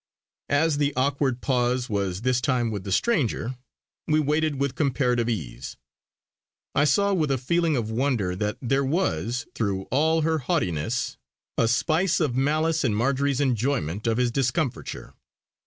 As the awkward pause was this time with the stranger, we waited with comparative ease. I saw with a feeling of wonder that there was, through all her haughtiness, a spice of malice in Marjory's enjoyment of his discomfiture.